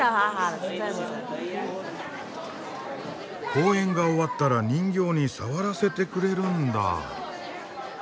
公演が終わったら人形に触らせてくれるんだ。